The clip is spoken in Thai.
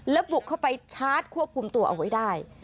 แล้วบุกเข้าไปชาร์จควบคุมตัวเอาไว้ได้